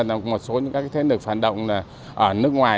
bây giờ một số các thế lực phản động ở nước ngoài